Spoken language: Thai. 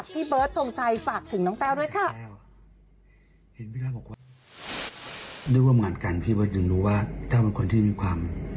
พี่เบิร์ดตรงใจฝากถึงน้องเต้าด้วยค่ะ